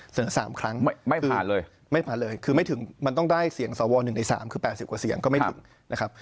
๓ครั้งไม่ผ่านเลยไม่ผ่านเลยคือไม่ถึงมันต้องได้เสียงสว๑ใน๓คือ๘๐กว่าเสียงก็ไม่ถึงนะครับ